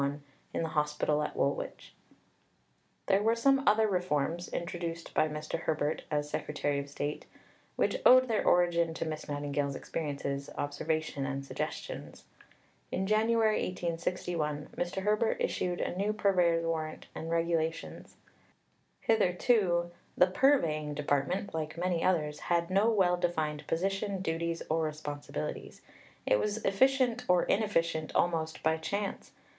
[Illustration: Florence Nightingale about 1858 from a photograph by Goodman] There were some other reforms introduced by Mr. Herbert, as Secretary of State, which owed their origin to Miss Nightingale's experiences, observation, and suggestions. In January 1861 Mr. Herbert issued a new Purveyor's Warrant and Regulations. Hitherto "the Purveying Department, like many others, had no well defined position, duties, or responsibilities. It was efficient or inefficient almost by chance.